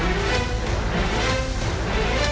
ก็ต้องชมเชยเขาล่ะครับเดี๋ยวลองไปดูห้องอื่นต่อนะครับ